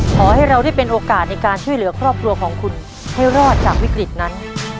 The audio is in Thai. ขอให้เราได้เป็นโอกาสในการช่วยเหลือครอบครัวของคุณให้รอดจากวิกฤตนั้น